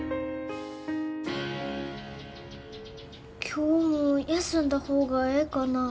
今日も休んだ方がええかな？